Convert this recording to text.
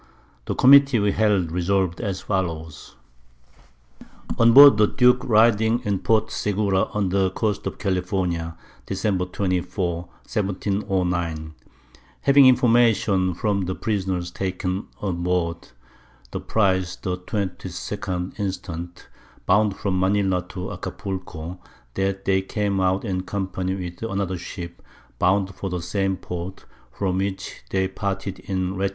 The Committee we held resolv'd as follows. On board the Duke riding in Port Segura on the Coast of California, Dec. 24. 1709. Having Information from the Prisoners taken on board the Prize the 22d instant, bound from Manila to Acapulco, _that they came out in company with another Ship bound for the same Port from which they parted in Lat.